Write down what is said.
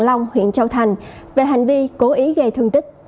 cố ý gây thương tích